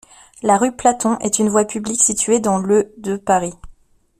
La rue Platon est une voie publique située dans le de Paris.